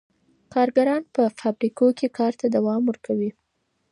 کارګران په فابریکو کي کار ته دوام ورکوي.